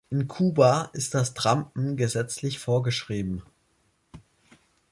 In Kuba ist das Trampen gesetzlich vorgeschrieben.